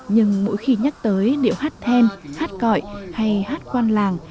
nhưng mỗi khi nhắc tới điệu hát then hát cõi hay hát quan làng